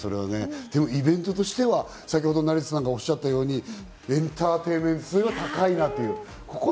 でもイベントとしては先ほど成田さんがおっしゃったようにエンターテインメント性が高い。